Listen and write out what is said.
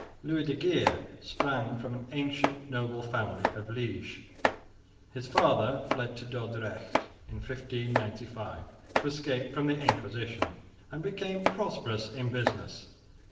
Louis de Geer sprang from an ancient noble family of Liège. His father fled to Dordrecht in 1595 to escape from the Inquisition and became prosperous in business.